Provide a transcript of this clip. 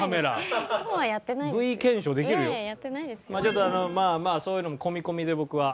ちょっとまあまあそういうのも込み込みで僕は。